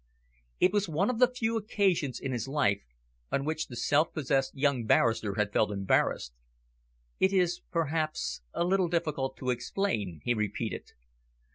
It was one of the few occasions in his life on which the self possessed young barrister had felt embarrassed. "It is, perhaps, a little difficult to explain," he repeated.